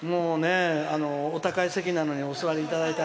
お高い席なのにお座りいただいて。